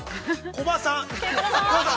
◆コバさん！